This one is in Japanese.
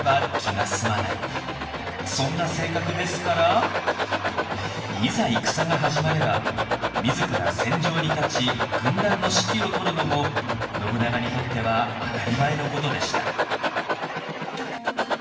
そんな性格ですからいざ戦が始まれば自ら戦場に立ち軍団の指揮をとるのも信長にとっては当たり前のことでした。